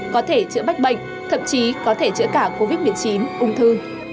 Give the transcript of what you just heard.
có thể chữa bách bệnh thậm chí có thể chữa cả covid một mươi chín ung thư